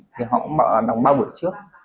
thì họ cũng đóng ba buổi trước